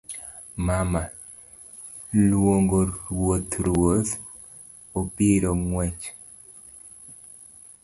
mama; luongo ruoth ruoth; obiro ng'wech